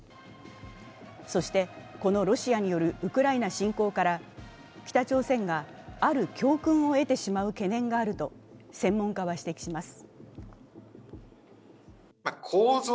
そして、このロシアによるウクライナ侵攻から北朝鮮が、ある教訓を得てしまう懸念があると専門家は指摘します。